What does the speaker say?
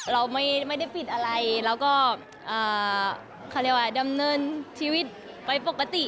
เราไม่ได้ปิดอะไรแล้วก็เขาเรียกว่าดำเนินชีวิตไปปกติ